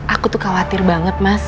aku tuh khawatir banget mas